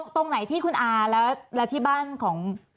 ตรงไหนที่คุณอาและที่บ้านของ